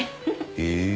へえ。